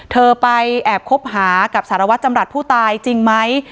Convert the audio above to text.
เธอไปแอบคบหากับสารวัตรจำรัฐผู้ตายจริงไหม